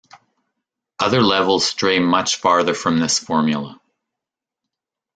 Other levels stray much farther from this formula.